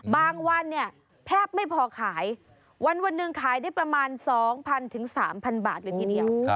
บางวันแพบไม่พอขายวันนึงขายได้ประมาณ๒๐๐๐๓๐๐๐บาทเลยนิดเดียว